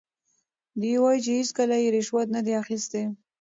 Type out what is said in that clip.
دی وایي چې هیڅکله یې رشوت نه دی اخیستی.